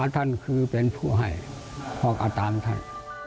ท่านคือเป็นผู้ให้พ่อก็ตามท่าน